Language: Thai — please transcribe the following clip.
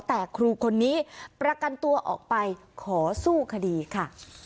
แต่ครูคนนี้ประกันตัวออกไปขอสู้คดีค่ะ